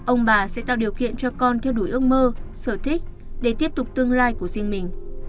ông bà sẽ tạo điều kiện cho con theo đuổi ước mơ sở thích để tiếp tục tương lai của riêng mình